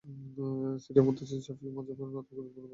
তিনি সিরিয়ার মুহাদ্দিছ, শাফিঈ মাযহাবের অন্যতম গুরুত্বপূর্ণ ফকীহ্।